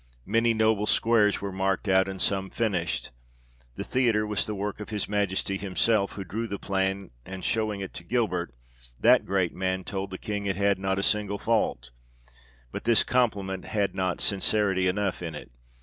Many noble squares were marked out, and some finished. The theatre was the work of his Majesty himself, who drew the plan, and showing it to Gilbert, that great man told the King it had not a single fault ; but this compliment had not sincerity enough in it.